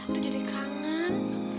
udah jadi kangen